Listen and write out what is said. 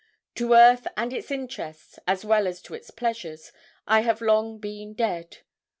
To earth and its interests, as well as to its pleasures, I have long been dead.